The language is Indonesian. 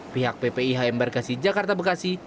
pihak ppihm barkasi jakarta bekasi